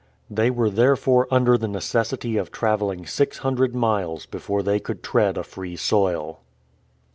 They were therefore under the necessity of traveling six hundred miles before they could tread a free soil.